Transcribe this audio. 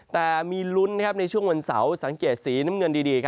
แต่มีลุ้นในช่วงวันเสาร์สังเกตสีน้ำเงินดี